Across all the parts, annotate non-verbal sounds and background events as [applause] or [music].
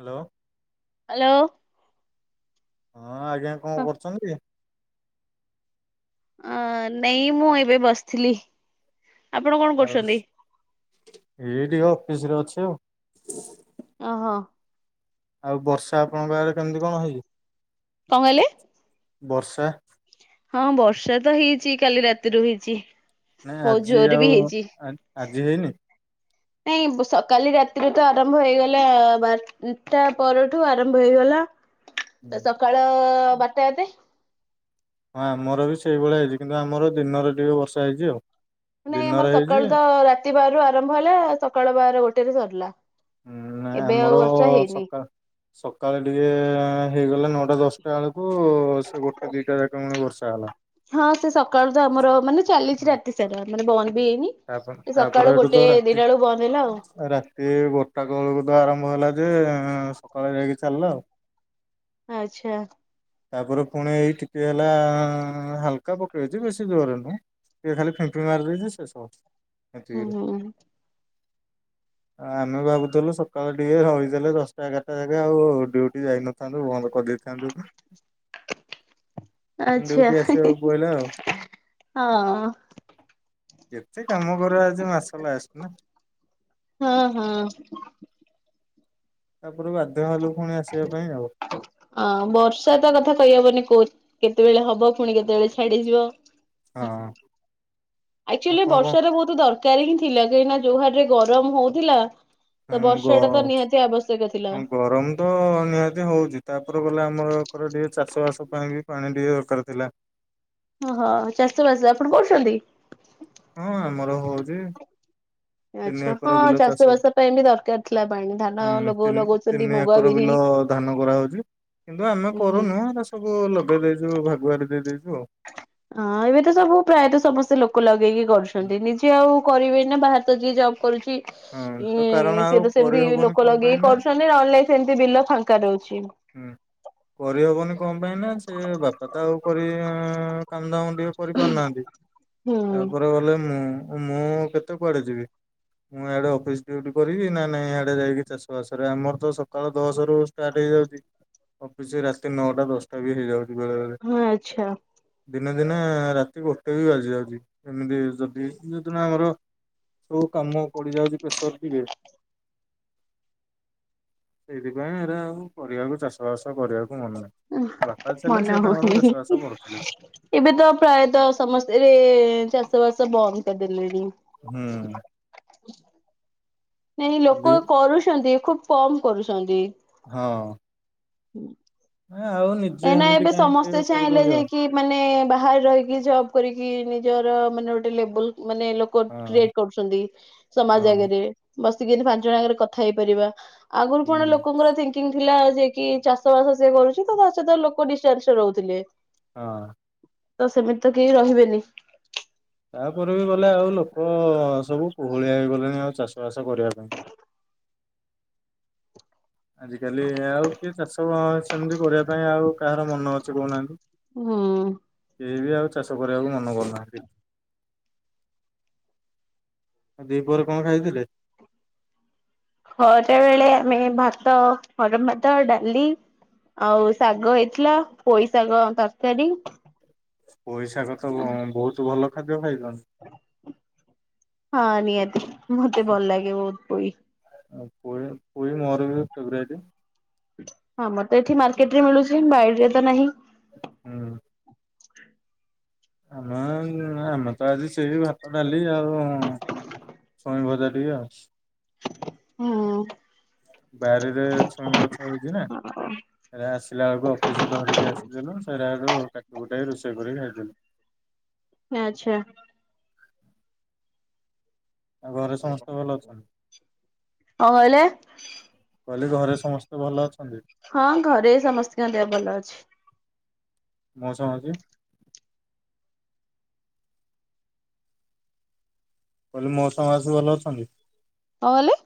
Hello. Hello. ହଁ ଆଜ୍ଞା କଣ କରୁଛନ୍ତି? ଅ ନାଇ ମୁଁ ଏବେ ବସିଥିଲି ଆପଣ କଣ କରୁଛନ୍ତି। ଏଇଠିକି ଅଫିସ ରେ ଅଛି ଆଉ। ଓହୋ। ଆଉ ବର୍ଷା ଆପଣଙ୍କ ଆଡରେ କେମିତି କଣ ହେଇଛି? କଣ କହିଲେ? ବର୍ଷା ହଁ ବର୍ଷା ତ ହେଇଛି କାଲି ରାତିରୁ ହେଇଛି। ନାଇଁ ବହୁତ ଆଜି ଜୋରରେ ବି ଆଉ ହେଇଛି। ଆଜି ହେଇନି। ନାଇଁ ସକାଳ ରାତିରେ ତ ଆରମ୍ଭ ହେଇଗଲା ବାର ଟା ପରଠୁ ଆରମ୍ଭ ହେଇଗଲା ତ ସକାଳ ବାରଟା ଆତେ। ହଁ ଆମର ବି ସେଇଭଳିଆ ହେଇଛି କିନ୍ତୁ ଆମର ଦିନରେ ଟିକେ ବର୍ଷା ହେଇଛି ଆଉ ନାଇଁ ଦିନରେ ଆମର ହେଇଛି ସକାଳୁ ତ ରାତି ବାର ର ଆରମ୍ଭ ହେଲା ସକାଳୁ ବାର ଗୋଟେ ସରିଲା। ଉଁ ଏବେ ଆଉ ଆମର ବର୍ଷା ହେଇନି। ସକାଳ ସକାଳେ ଟିକେ ହେଇଗଲା ନଅଟା ଦଶଟା ସେଟା ବେଳକୁ ସେ ଗୋଟେ ଦିଟା ଯା ଗଣି ବର୍ଷା ହେଲା। ହଁ ସେ ସକାଳୁ ତ ଆମର ମାନେ ଚାଲିଛି ରାତି ସାରା ମାନେ ବନ୍ଦ ବି ହେଇନି। ତାପରେ ତାପରେ ସକାଳୁ ଏଠୁ ତ ଗୋଟେ ରାତି ଦିନ ବେଳୁ ବନ୍ଦ ହେଲା ଆଉ। ରାତି ଗୋଟା ବେଳକୁ ତ ଆରମ୍ଭ ହେଲା ଯେ ସକାଳେ ଯାଇକି ଚାଲିଲା ଆଉ। ଆଚ୍ଛା। ତାପରେ ପୁଣି ଏଇ ଟିକେ ହେଲା ହାଲକା ପକେଇଛି ବେଶୀ ଜୋରେ ନୁହେଁ। ଏ ଖାଲି ଫେଙ୍କେଇ ମାରଦେଇଚି ସେ ସକ। ହୁଁ ଆମେ ଭାବୁଥିଲୁ ସକାଳ ଟିକେ ରହିଥିଲେ ଦଶଟା ଏଗାରଟା ଜାକ ଆଉ ଡିଉଟି ଯାଇନଥା ଥାନ୍ତୁ ବନ୍ଦ କରିଦେଇଥାନ୍ତୁ। ଆଚ୍ଛା ଡିଉଟି ହଁ। ଆସିବାକୁ ପଡିଲା ଆଉ। କେତେ କାମ କରିବ ଆଜି ମାସ ଲାଷ୍ଟ ନା। ହଁ ହଁ। ତାପରେ ବାଧ୍ୟ ହେଲୁ ପୁଣି ଆସିବା ପାଇଁ ଆଉ। ଅଁ ବର୍ଷା ଟା କଥା କହିହବନି କୋଉ କେତେବେଳେ ହବ ପୁଣି କେତେବେଳେ ଛାଡିଯିବ। ହଁ। ଆକ୍ଚୁଆଲି ଆପଣ କଣ ବର୍ଷା ତ ବହୁତ ଦରକାର ହିଁ ଥିଲା କାହିଁକିନା ଯୋଉ ହାରରେ ଗରମ ହଉଥିଲା। ତ ଗ ବର୍ଷ ଟା ତ ନିହାତି ଆବଶ୍ୟକ ଥିଲା। ଗରମ ତ ନିହାତି ହଉଛି ତାପରେ ଗଲେ ଆମର ଏକଡ ଟିକେ ଚାଷ ବାସ ପାଇଁ ବି ପାଣି ଟିକେ ଦରକାର ଥିଲା। ଓହୋ ଚାଷବାସ ଆପଣ କରୁଛନ୍ତି? ହଁ ଆମର ହଉଛି। ତିନି ଆଚ୍ଛା ଏକର ହଁ ବିଲ ଚାଷ ଚାଷଁ ବାସ ପାଇଁ ବି ଦରକାର ଥିଲା ପାଣି ଧାନ ହୁଁ ଲଗଉ ତିନି ଲଗଉଛନ୍ତି ତିନି ମୁଗ ଏକର ବିରି ବିଲ ଧାନ କରାହଉଛି କିନ୍ତୁ ଆମେ ଉଁ ହୁଁ କରୁନୁଁ ଏ ସବୁ ଲଗେଇ ଦେଇଛୁ ଭାଗୁଆରି ଦେଇ ଦେଇଛୁ ଆଉ। ହଁ ଏବେ ତ ସବୁ ପ୍ରାୟତଃ ସମସ୍ତେ ଲୋକ ଲଗେଇକି କରୁଛନ୍ତି, ନିଜେ ଆଉ କରିବେ ନା ବାହାରେ ତ ଯିଏ ଜବ୍ କରୁଛି। ହଁ ତ ଉ କାରଣ ଆଉ ସିଏ ତ ସେମିତି କରିହବନି ଲୋକ କଣ ପାଇଁ ଲଗେଇକି ନା କରୁଛନ୍ତି ନହେଲେ ନାଇ ସେମତି ବିଲ ଫାଙ୍କା ରହୁଛି। ହୁଁ କରିହବନି କଣ ପାଇଁ ନା ସେ ବାପା ତ ଆଉ କରି କାମଧାମ ଟିକେ କରିପାରୁନାହାନ୍ତି। ହୁଁ। ତାପରେ ଗଲେ ମୁଁ ମୁଁ କେତେ କୁଆଡେ ଯିବି? ମୁଁ ଇଆଡେ ଅଫିସ ଡ୍ୟୁଟି କରିବି ନା ନାଇଁ ହିଆଡେ ଯାଇକି ଚାଷ ବାସରେ ଆମର ତ ସକାଳ ଦଶ ରୁ ଷ୍ଟାର୍ଟ ହେଇଯାଉଛି। ଅଫିସ ରାତି ନଅଟା ଦଶଟା ବି ହେଇଯାଉଛି ବେଳେ ବେଳେ। ହଁ ଆଚ୍ଛା ଦିନେ ଦିନେ ରାତି ଗୋଟେ ବି ବାଜି ଯାଉଛି ଏମିତି ଯଦି ଯୋଉଦିନ ଆମର ଯୋଉ କାମ ପଡି ଯାଉଛି ପ୍ରେସର ଟିକେ ସେଇଥିପାଇଁ ଏରା ଆଉ କରିବାକୁ ଚାଷ ବାସ କରିବାକୁ ମନେ ନାହିଁ ବାପା ଥିଲେ ମନେ ସେ ତାଙ୍କର ହଉନି ଚାଷ ବାସ କରୁଥିଲେ। ଏବେ ତ ପ୍ରାୟତଃ ସମସ୍ତେ ଚାଷବାସ ବନ୍ଦ କରିଦେଲେଣି। ହୁଁ। ନାଇଁ ଲୋକ ଆଜି କରୁଛନ୍ତି ଖୁବ କମ କରୁଛନ୍ତି। ହଁ। ହୁଁ। ହା ହଉନି। ଏଇନା ଏବେ ସମସ୍ତେ ଚାହିଁଲେ ଯେ କି ମାନେ ବାହାରେ ରହିକି ଜବ୍ କରିକି ନିଜର ମାନେ ଗୋଟେ ଲେବୁଲ ମାନେ ଲୋ କ ହଁ କ୍ରିଏଟ କରୁଛନ୍ତି ସମାଜ ହଁ ଆଗରେ ବସିକି କେମତି ପାଞ୍ଚ ଜଣ ଆଗରେ କଥା ହେଇପାରିବା। ଆଗରୁ କଣ ହୁଁ। ଲୋକଙ୍କର ଥିଙ୍କିଙ୍ଗ ଥିଲା ଯେଏ କି ଚାଷ ବାସ ସେଏ କରୁଛି ତ ସେତେବେଳେ ଲୋକ ଡିଷ୍ଟାନ୍ସରେ ରହୁଥିଲେ। ହଁ। ତ ସେମିତି ତ କେହି ରହିବେନି। ତାପରେ ବି ଗଲେ ଆଉ ଲୋକ ସବୁ କୋହଳିଆ ହେଇଗଲେଣି ଆଉ ଚାଷ ବାସ କରିବା ପାଇଁ। ଆଜିକାଲି ଆଉ କିଏ ଚାଷ କଣ ସେମିତି କରିବା ପାଇଁ ଆଉ କାହାର ମନ ଅଛି କହୁନାହାନ୍ତି ହୁଁ। କେହି ବି ଆଉ ଚାଷ କରିବାକୁ ମନ କରୁନାହାନ୍ତି। ଆଉ ଦି ପହରେ କଣ ଖାଇଥିଲେ? ଖରା ବେଳେ ଆମେ ଭାତ, ଗରମ ଭାତ, ଡାଲି ଆଉ ଶାଗ ହେଇଥିଲା ପୋଇ ଶାଗ, ତରକାରୀ ପଇଶାଗ ତ ବ ବହୁତ ଭଲ ଖାଦ୍ୟ ଖାଇଛ। ହଁ ନିହାତି ମତେ ଭଲ ଲାଗେ ବହୁତ ପୋଇ। ପୋଇ ପୋଇ ମୋର ବି ଫେଭରାଇଟ। ହଁ ମୋର ତ ଏଠି ମାର୍କେଟ ରେ ମିଳୁଛି ବାଇଡେ ରେ ତ ନାହିଁ। ହୁଁ। ଆମ ଆମେ ତ ଆଜି ସେଇ ଭାତ ଡାଲି ଆଉ ଛୁଇଁ ଭଜା ଟିକେ ଆଉ। ହଁ। ବାରିରେ ଛୁଇଁ ଗଛ ହେଇଛି ନା। ସେ ଆସିଲା ବେଳକୁ ଅଫିସ ଧରିକି ଆସିଥିଲି ସେଇଟା ଆକୁ କଟିକୁଟାକି ରୋଷେଇ କରିକି ଖାଇଦେଲି। ଆଚ୍ଛା। ଆଉ ଘରେ ସମସ୍ତେ ଭଲ ଅଛନ୍ତି? କହିଲେ କହିଲି ଘରେ ସମସ୍ତେ ଭଲ ଅଛନ୍ତି? ହଁ ଘରେ ସମସ୍ତଙ୍କ ଦେହ ଭଲ ଅଛି। ମଉଶା ମାଉସୀ କହିଲି ମଉସା ମାଉସୀ ଭଲ ଅଛନ୍ତି? କଁ କହିଲେ?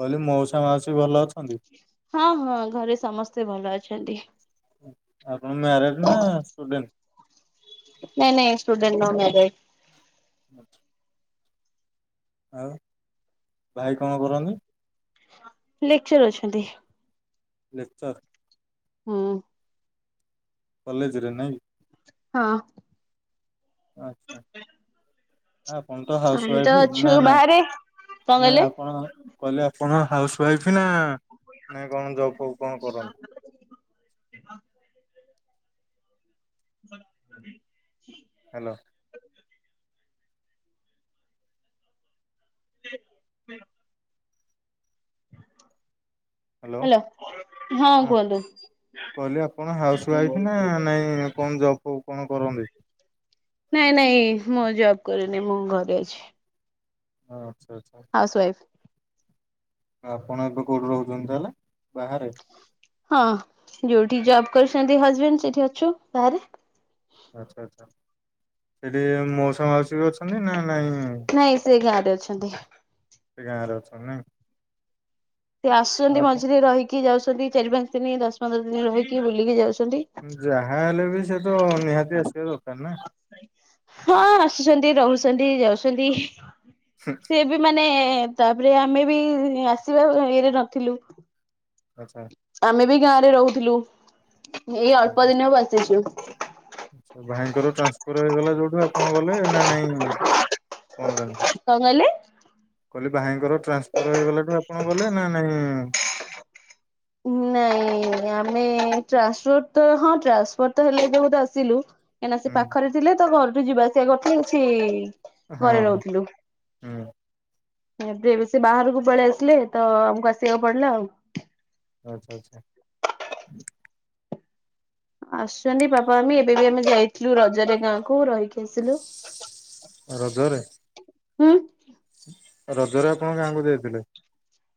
କହିଲି ମଉସା ମାଉସି ଭଲ ଅଛ ହଁ ହଁ ଘରେ ସମସ୍ତେ ଭଲ ଅଛନ୍ତି। ଆପଣ ମ୍ୟାରେଡ ନା ଷ୍ଟୁଡେଣ୍ଟ? ନାଇଁ ନାଇଁ ଷ୍ଟୁଡେଣ୍ଟ୍ ନୁହଁ ମ୍ୟରେଡ। [inaudible] ଆଉ ଭାଇ କଣ କରନ୍ତି? ଲେକ୍ଚର ଅଛନ୍ତି। ଲେକ୍ଚର୍। ହୁଁ। କଲେଜରେ ନାଇଁ ହଁ। ଆଚ୍ଛା। ଆପଣ ତ ହାଉସ ଆମେ ତ ୱାଇଫ ଅଛୁ ନା ନାଇ ବାହାରେ। କଣ ନା କହିଲେ ଆପଣ କହିଲେ ଆପଣ ହାଉସ ୱାଇଫ ନା ନାଇ କଣ ଜବ୍ ଫବ୍ କଣ କରନ୍ତି? [inaudible] [inaudible] ହ୍ୟାଲୋ। [inaudible] ହ୍ୟାଲୋ ହ୍ୟାଲୋ ହଁ କୁହନ୍ତୁ। କହିଲି ଆପଣ ହାଉସ ୱାଇଫ ନା ନାଇଁ କଣ ଜବ୍ କଣ କରନ୍ତି? ନାଇଁ ନାଇଁ ମୁଁ ଜବ କରିନି ମୁଁ ଘରେ ଅଛି। ଆଚ୍ଛା ଆଚ୍ଛା। Has wife. ଆପଣ ଏବେ କୋଉଠି ରହୁଛନ୍ତି ତାହେଲେ ବାହାରେ? ହଁ ଯୋଉଠି ଜବ୍ କରୁଛନ୍ତି ହଜବେଣ୍ଡ ସେଠି ଅଛୁ ବାହାରେ। ଆଚ୍ଛା ଆଚ୍ଛା ସେଠି ମଉସା ମାଉସି ବି ଅଛନ୍ତି ନା? ନାଇଁ ନାଇଁ ସେ ଗାଁ ରେ ଅଛନ୍ତି। ସେ ଗାଁରେ ଅଛନ୍ତି ନାଇଁ। ସେ ଆସୁଛନ୍ତି ମଝିରେ ରହିକି ଯାଉଛନ୍ତି ଚାରି ପାଞ୍ଚ ଦିନ ଦଶ ପନ୍ଦର ଦିନ ରହିକି ବୁଲିକି ଯାଉଛ ଯାହା ହେଲେ ବି ସେ ତ ନିହାତି ଆସିବା ଦରକାର ନା। ହଁ ଆସୁଛନ୍ତି ରହୁଛନ୍ତି ଯାଉଛନ୍ତି। ଠିକ୍। ସେ ବି ମାନେ ତାପରେ ଆମେ ବି ଆସିବା ଇଏରେ ନଥିଲୁ। ଆଚ୍ଛା। ଆମେ ବି ଗାଁରେ ରହୁଥିଲୁ ଏଇ ଅଳ୍ପ ଦିନି ହବ ଆସିଛୁ। ଭାଇଙ୍କର ଟ୍ରାନ୍ସଫର ହେଇଗଲା ଯୋଉଠୁ ଆପଣ ଗଲେ ନା ନାଇଁ କଣ କ କଣ କହିଲେ? କହିଲି ଭାଇଙ୍କର ଟ୍ରାନ୍ସଫର ହେଇଗଲାଠୁ ଆପଣ ଗଲେ ନା ନାଇଁ ନାଇଁ ଆମେ ଟ୍ରାନ୍ ତ ହଁ ଟ୍ରାସୋର୍ଟ ତ ହେଲେ ବ ଆସିଲୁ କାହିଁକିନା ସେ ହୁଁ ପାଖରେ ଥିଲେ ତ ଘରଠୁ ଯିବାସ ଗଥାେଇ ସେି ହଁ ଘରେ ରହୁଥିଲୁ ହୁଁ। ଏବେ ଏବେ ସେ ବାହାରକୁ ପଳେଇ ଆସିଲେ ତ ଆମକୁ ଆସିବାକୁ ପଡିଲା ଆଉ ଆଚ୍ଛା ଆଚ୍ଛା ଆସୁଛନ୍ତି ବାପା ଆମେ ଏବେ ବି ଆମେ ଯାଇଥିଲୁ ରଜରେ ଗାଁକୁୁ ରହିକି ୁ ରଜରେ ହୁଁ ରଜରେ ଆପଣ ଗାଁକୁ ଯାଇଥିଲେ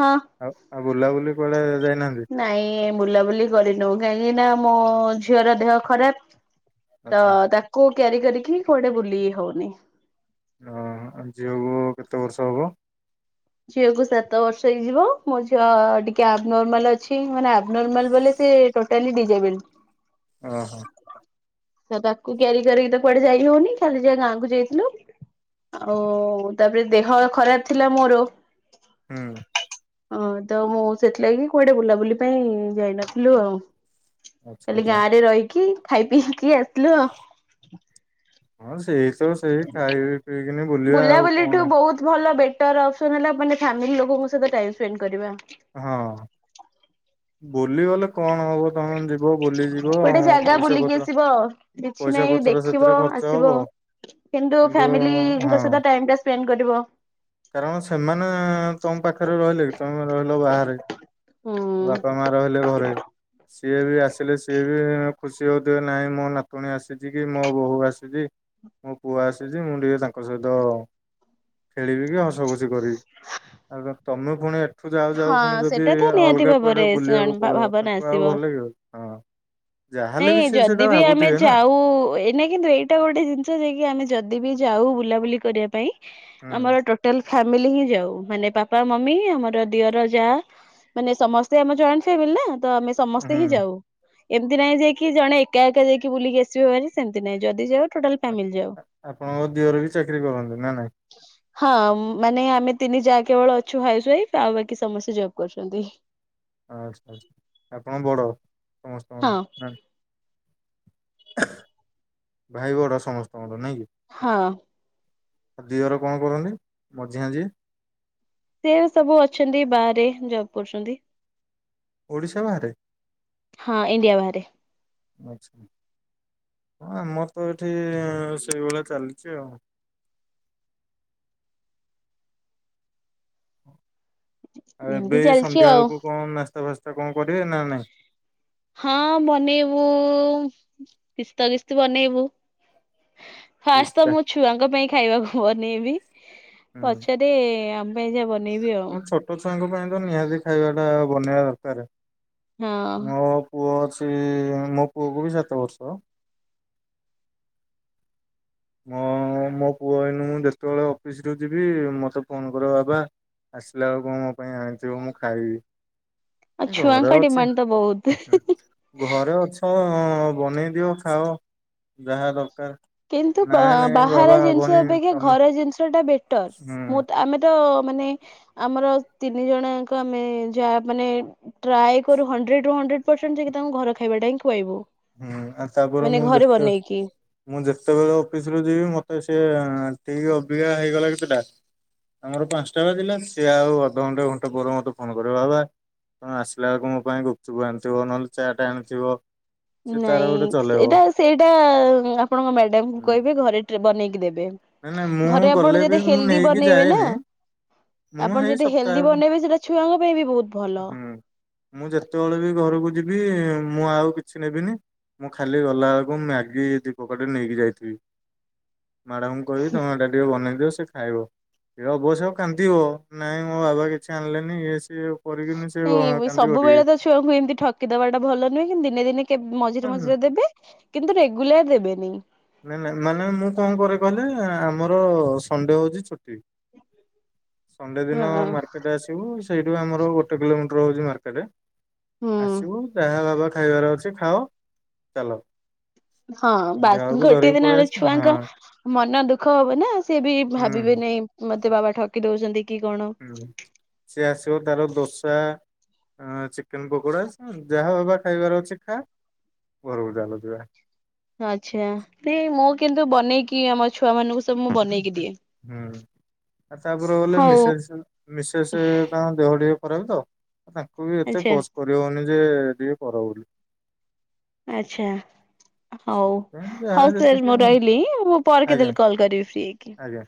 ହଁ ଆଉ ଆଉ ବୁଲାବୁଲି କ ଯାଇନାହାନ୍ତି ନାଇଁ ବୁଲାବୁଲି କରିନଉ କାହିଁକି ନା ମୋ ଝିଅର ଦେହ ଖରାପ ତ ଆଚ୍ଛା ତାକୁ କ୍ୟାରି କରିକି କୁଆଡେ ବୁଲି ହଉନି ହ ଆ ଝିଅକୁ କେତେ ବର୍ଷ ହବ ଝିଅ କୁ ସାତ ବର୍ଷ ହେଇଯିବ ମୋ ଝିଅ ଟିକେ ଆବ ନର୍ମାଲ ଅଛି ମାନେ ଆବ ନର୍ମାଲ ବ ସେ ଟୋାଲି ଡିଜେବଲ୍ ଓହୋ ତାକୁ କ୍ୟାରି କରିକି ତ କୁଆଡେ ଯାଇ ହଉନି ଖାଲି ଯ ଗାଁକୁ ଯାଇଥିଲୁ ଆଉ ତାପରେ ଦେହ ଖରାପ ଥିଲା ମୋର ହୁଁ ହଁ ତ ମୁଁ ସେଥିଲାଗି କୁଆଡେ ବୁଲାବୁଲି ପାଇଁ ଯାଇନଥିଲୁ ଆଉ ଆଚ୍ଛା କାଲି ଆଚ୍ଛା ଗାଁରେ ରହିକି ଖାଇ ପିଇକି ଆସିଲୁ ଆଉ ହଁ ସେଇ ତ ସେଇ ଖାଇ ପିଇକିନି ବୁ ବୁଲାବୁଲିଠୁ ବହୁତ ଭଲ ବେଟରପସ ହେଲା ମାନେ ଫାମିଲ ଲଙ୍କତପ କରିବା ହଁ ବୁଲିବାଲେ କଣ ହବ ତମେ ଯିବ ବୁଲି ଯିବ ଗୋଟେ ଜାଗା ପଇସା ବୁଲିକି ପତ୍ର ଆସିବ କିଛି ପଇସା ନାହିଁ ପତ୍ର ଦେଖିବ ସେଥିରେ ଖର୍ଚ୍ଚ ଆସିବ। ହବ କିନ୍ତୁ ହଁ। ଫ୍ୟାମିଲିଙ୍କ ସହିତ ଟାଇ ଟା ସ୍ପେଣ୍ଡ କରିବ କାରଣ ସେମାନେ ତମ ପାଖରେ ରହିଲେ କି ତମେ ରହିଲ ବାହାରେ ହୁଁ। ବାପା ମା ରହିଲେ ଘରେ ସିଏ ବି ଆସିଲେ ସିଏ ବି ଖୁସି ହେଉ ଦଏ ନାହିଁ ମୋ ନାତୁଣୀ ଆସିଛି କି ମୋ ବୋୂ ଆସିଛି ମୋ ପୁଅ ଆସିଛି ମୁଁ ଟିକଏ ତାଙ୍କ ତାଙ୍କ ସହିତ ଖେଳିବି କି ହସଖୁସି କରିବି ଆଉ ତମେ ପୁଣି ଏଠୁ ଯାଉ ଯାଉ ହଁ ପୁଣି ଯଦି ସେଟା ତ ନିହାତି ଅଲଗା କୁଆଡେ ଭାବରେ ବୁଲିବାକୁ ପଳେଇିବ ଭାବନା ତାଙ୍କୁ ଆଉ ଆସିବ। ଭଲ ଲାଗିବ ହଁ ଯାହେଲେ ନାଇଁ ବି ସେ ସେଟା ଭାବୁଥିବେ ନା ନାଇଁ କିନ୍ତୁ ଏଇଟା ଗୋଟେ ଜିନିଷ ଯ କିି ଆମେ ଯଦି ବି ଯାଉଉ ବୁଲାବୁଲି କରିବା ପାଇଁ ହୁଁ ଆମର ଟୋଟାଲ ଫ୍ୟାମିଲି ହିଁ ଯାଉ ମାନେ ବାପା ମମି ଆମର ଅର ଯାହା ମାନେ ସମସ୍ତେ ଆମ ଜଏଣ୍ଟ ଫ୍ୟାମିଲି ନା ତ ଆମେ ସମସ୍ତେ ହିଁ ହୁଁ। ଯାଉ ଏମିତି ନହିଁ ଯାଇକ ଜଣେ ଏକ ଯାଇକି ବୁଲିକି ଆସିବ ମାନି ସେମତି ନାଇଁ ଯଦି ଯ ଆପଣଙ୍କ ଦିଅରେ ବି ଚାକିରରି କରନ୍ତି ନା ନାଇଁ ହଁ ମାନେ ଆମେ ତିନି ଯା କେବଳ ଅଛୁ ହାଇ ସାଇ ଆଉ ବାକି ସମସ୍ତେ ଜବ୍ କରୁଛନ୍ତି ଆଚ୍ଛା ଆଚଛା ଆପଣ ବଡ ହଁ ସମସ୍ତଙ୍କ ଭାଇ ବଡ ସମସ୍ତଙ୍କର ନାଇଁ କି ହଁ ଆଉ ଦୁିଅର କଣ କରନ୍ତି ମଝି ମଝି ସେ ସବୁ ଅଛନ୍ତି ବାହାରେ ଜବ କରୁଛନ୍ତି ଓଡିଶା ବାହାରେ ହଁ ଇଣ୍ଡିଆ ବାହାରେ ଆଛା ହଁ ଆମର ତ ଏଠି ସେଇଭଳିଆ ଚାଲିଛି ଆଉ ଆଉ ଏମିତି ଏବେ ଚାଲିଛି ସନ୍ଧ୍ୟା ଆଉ। ବେଳକୁ କଣ ନାସ୍ତା ଫାସ୍ତା କଣ କରିବେ ନା ନାଇଁ ହଁ ବନେଇବୁ କିସ୍ତ କିସ୍ ବନେଇବୁ ଫାଷ୍ଟ ତ ପିସ୍ତା ମୁଁ ଛୁଆଙ୍କ ପାଇଁ ଖାଇବାକୁ ବନେଇବି ହୁଁ। ପଛରେ ପାଇଁ ଯବ ନେଇବି ଆଉ ହଁ ଛୋଟ ଛୁଆଙ୍କ ପାଇଁ ତ ନିହାତି ଖାଇବାଟା ବନେଇବା ଦରକାର ହଁ ଓ ପୁଅ ଅଛି ମୋ ପୁଅକୁ ବି ସାତ ବର୍ଷ। ମ ମୋ ପୁଅ ଭନୁ ମୁଁ ଯେତେବେଳେ ଅଫିସରୁୁ ଯିବି ମତେ ଫୋନ କରିବ ବାବା ଆସିଲା ବେଳକୁ କଣ୍ ମୋ ପାଇଁ ଆଣିଥିବ ମୁଁ ଖାଇବି। ଆଉ ଏ ଘରେ ଛୁଆଙ୍କ ଅଛି। ଡିମାଣ୍ଡ ତ ବହୁତ। ଘରେ ଅଛ ବନେଇ ଦିଅ ଖାଅ, ଯାହା ଦରକାର। କିନ୍ତୁ ନାଇଁ ନାଇଁ ବାହାର ବାବା ହବନି ଜିନିଷ ଅପେକ୍ଷା ତମେ ଘର ଜିନିଷ ଟା ବେଟର, ହୁଁ ମୁଁ ଆମେ ତ ମାନେ, ଆମର ତିନି ଜଣଙ୍କ ଆମେ ଯାହା ମାନେ ଟ୍ରାଏ କରୁ ହଣ୍ଡ୍ରେଡ ରୁ ହୁଲଣ୍ଡ୍ରେଡ ପରସେଣ୍ଟ ଯ ତାଙ୍କୁ ଘର ଖାଇବା ଟା ହିଁ ଖୁଆଇବୁ। ହୁଁ ଆଉ ତାପରେ ମାନେ ମୁଁ ଘରେ ଯେତେ ବନେଇକି। ମୁଁ ଯେତେବେଳେ ଅଫିସ ରୁ ଯିବି ମତେ ସିଏ ଠିକ ଅବିକା ହେଇଗଲା କି ସେଟା ଆମର ପାଞ୍ଚଟା ବାଜିଲା, ସିଏ ଆଉ ଅଧଘଣ୍ଟା ଘଣ୍ଟାଏ ପରେ ମତେ ଫୋନ କରିବ ବାବା ତମେ ଆସିଲା ବେଳକୁ ମୋ ପାଇଁ ଗୁପଚୁପ ଆଣିଥିବ ନହେଲେ ଚାଟ୍ ଆଣିଥିବ। ସେ ତାର ନାଇଁ ଗୋଟେ ଚଲେଇବ। ସେଇଟା ସେଇଟା ଆପଣଙ୍କ ମ୍ୟାଡାମଙ୍କୁ ହୁଁ କହିବେ ଘରେ ବନେଇକି ଦେବେ। ନାଇଁ ନାଇଁ ମୁଁ ଘରେ ଗଲେ ଆପଣ ବି ଯଦି ମୁଁ ହେଲଦି ନେଇକି ବନେଇବେ ନା ଯାଏନି ମୁଁ ଆପଣ ହେଇ ଯଦି ହେଲ୍ଦି ସପ୍ତାହକୁ ବନେଇବେ ସେଇଟା ଛୁଆଙ୍କ ପାଇଁ ବି ବହୁତ ଭଲ। ହୁଁ ମୁଁ ଯେତେବେଳେ ବି ଘରକୁ ଯିବି ମୁଁ ଆଉ କି କିଛି ନେବିନି, ମୁଁ ଖାଲି ଗଲାବେଳକୁ ମ୍ୟାଗି ଦି ପକେଟ ନେଇକି ଯାଇଥିବି। ମ୍ୟାଡାାମଙ୍କୁ କହିବି ତମ ଏଡା ଟିକେ ବନେଇ ଦିଅ ସେ ଖାଇବ, ଏ ଅବଶ୍ୟ କାନ୍ଦିବ ନାଇଁ ମୋ ବାବା କିଛି ଆଣିଲେନି ଇଏ ସିଏ କରିକିନି ସେ ନାଇଁ କାନ୍ଦିବ ସବୁବେଳେ ଟିକେ। ତ ଛୁଆଙ୍କୁ ଏମତି ଠକିଦବାଟା ଭଲ ନୁହେଁ କିନ୍ତୁ ଦିନେ ଦିନେ କେବେ ମଝିରେ ମଝିରେ ଦେବେ। କିନ୍ତୁ ରେଗୁଲାର ଦେବେନି। ନାଇଁ ନାଇଁ ମାନେ ମୁଁ କଣ କରେ କହିଲେ ଆମର ସଣ୍ଡେ ହଉଛି ଛୁଟି। ସଣ୍ଡେ ଦିନ ହଁ ମାର୍କ ଆସିବୁ ସେଇଠୁ ଆମର ଗୋଟେ କିଲୋମିଟର ହଉଛି ମାର୍କେଟ। ହୁଁ ଆସିବୁ ଯାହା ବାବା ଖାଇବାର ଅଛି ଖାଅ ଚାଲ। ହଁ। ସନ୍ଧ୍ୟା ବାଶ୍ ବେଳକୁ ଗୋଟେ ଧରିକି ପଳେଇ ଦିନରେ ଆସ ହଁ ଛୁଆଙ୍କ ମନ ଦୁଃଖ ହବ ନା ସିଏ ବି ଭାବିବେ ହୁଁ ନାହିଁ। ମତେ ବାବା ଠକି ଦଉଛନ୍ତି କି କଣ। ହଁ ସିଏ ଆସିବ ତାର ଦୋସା ଚିକେନ ପକୋଡା, ଯାହା ବାବା ଖାଇବାର ଅଛି ଖା ଘରକୁ ଚାଲ ଯିବା। ଆଚ୍ଛା ସେ ମୁଁ କିନ୍ତୁ ବନେଇକି ଆମ ଛୁଆ ମାନଙ୍କୁ ସବୁ ମୁଁ ବନେଇକି ଦିଏ। ହୁଁ ଆଉ ତାପରେ ଗଲେ ହଉ ମିସେସ୍ ମିସେସ୍ ତାଙ୍କ ଦେହ ଟିକେ ଖରାପ ତ। ଆ ତାଙ୍କୁ ବି ଏତେ ଆଚ୍ଛା ଫୋସ୍ କରିହଉନି ଯେ ଟିକେ କର ବୋଲି। ଆଚ୍ଛା। ହଉ, ସେଥିପାଇଁ ଯାହା ହଉ ସାର୍ ମୁଁ ଯେତିକି ହଁ ରହିଲି ମୁଁ ପରେ ଆଜ୍ଞା କେତେବେଳେ କଲ କରିବି ଫ୍ରି ହେଇକି। ଆଜ୍ଞା